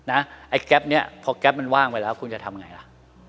ไอ้แก๊ปนี้พอแก๊ปมันว่างไปแล้วคุณจะทำไงล่ะ